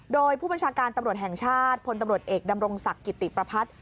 โดยผู้บัญชาการตำรวจแห่งชาติพลตำรวจเอกดำรงศักดิ์กิติประพัฒน์